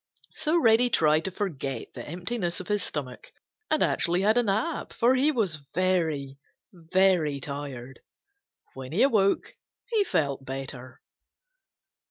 So Reddy tried to forget the emptiness of his stomach and actually had a nap, for he was very, very tired. When he awoke he felt better.